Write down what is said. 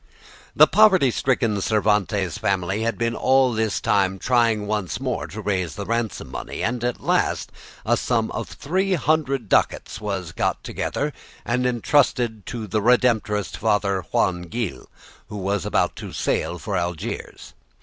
The poverty stricken Cervantes family had been all this time trying once more to raise the ransom money, and at last a sum of three hundred ducats was got together and entrusted to the Redemptorist Father Juan Gil, who was about to sail for Algiers.